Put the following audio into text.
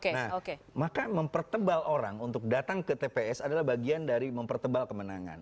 nah maka mempertebal orang untuk datang ke tps adalah bagian dari mempertebal kemenangan